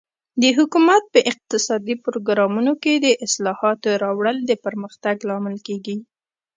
د حکومت په اقتصادي پروګرامونو کې د اصلاحاتو راوړل د پرمختګ لامل کیږي.